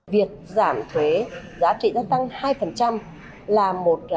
việc giảm thuế giá trị gia tăng hai là một